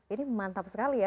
ini mantap sekali ya